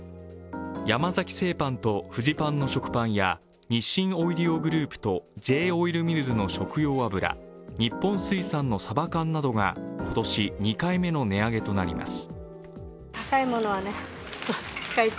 山崎製パンとフジパンの食パンや日清オイリオグループとＪ−オイルミルズの食用油日本水産のさば缶などが今年２回目の値上げとなります。